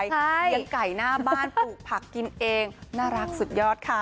เลี้ยงไก่หน้าบ้านปลูกผักกินเองน่ารักสุดยอดค่ะ